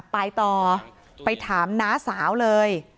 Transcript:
ไปต่อไปถามน้าสาวเลย